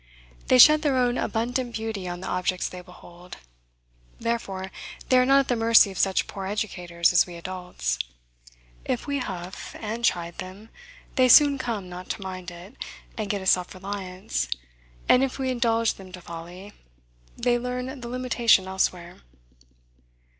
They shed their own abundant beauty on the objects they behold. Therefore, they are not at the mercy of such poor educators as we adults. If we huff and chide them, they soon come not to mind it, and get a self reliance; and if we indulge them to folly, they learn the limitation elsewhere.